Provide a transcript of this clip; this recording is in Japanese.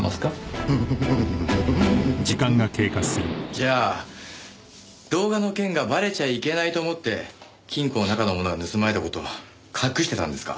じゃあ動画の件がバレちゃいけないと思って金庫の中のものが盗まれた事を隠してたんですか？